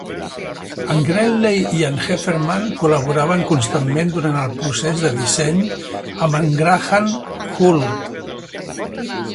En Greenley i en Heffernan col·laboraven constantment durant el procés de disseny amb en Graham Hull.